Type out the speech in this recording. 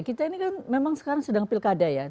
kita ini kan memang sekarang sedang pilkada ya